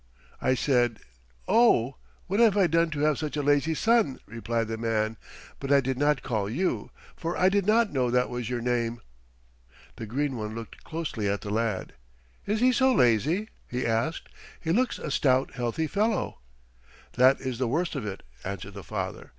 "I said, 'Oh, what have I done to have such a lazy son,'" replied the man, "but I did not call you, for I did not know that was your name." The Green one looked closely at the lad. "Is he so lazy?" he asked. "He looks a stout, healthy fellow." "That is the worst of it," answered the father.